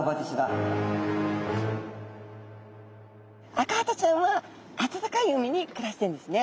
アカハタちゃんはあたたかい海に暮らしてるんですね。